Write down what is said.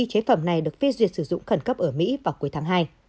chế phẩm này được phê duyệt sử dụng khẩn cấp ở mỹ vào cuối tháng hai